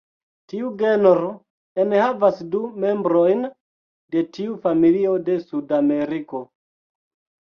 Tiu genro enhavas du membrojn de tiu familio de Sudameriko.